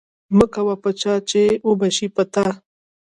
مکوه په چا چی اوبشی په تا